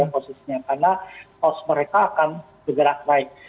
karena cost mereka akan bergerak naik